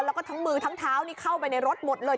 แล้วก็ทั้งมือทั้งเท้านี่เข้าไปในรถหมดเลย